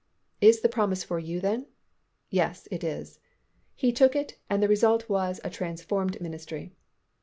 "Is the promise for you then?" "Yes, it is." He took it and the result was a transformed ministry.